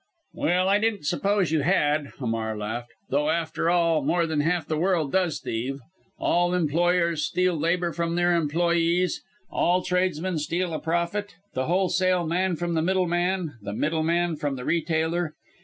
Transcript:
"Well, I didn't suppose you had!" Hamar laughed; "though, after all, more than half the world does thieve all employers steal labour from their employés, all tradesmen steal a profit the wholesale man from the middleman the middleman from the retailer.